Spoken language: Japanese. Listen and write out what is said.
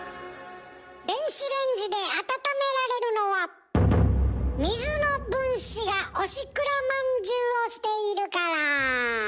電子レンジで温められるのは水の分子がおしくらまんじゅうをしているから。